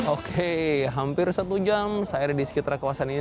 oke hampir satu jam saya ada di sekitar kawasan ini